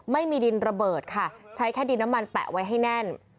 ไม่มีดินระเบิดค่ะใช้แค่ดินน้ำมันแปะไว้ให้แน่น